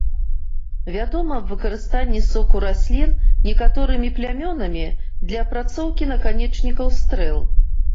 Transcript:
Вядома аб выкарыстанні соку раслін некаторымі плямёнамі для апрацоўкі наканечнікаў стрэл.